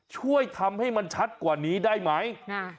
ช่วยทำให้มันชัดกว่านี้ได้ไหม